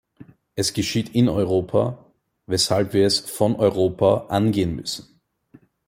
Es geschieht in Europa, weshalb wir es von Europa aus angehen müssen.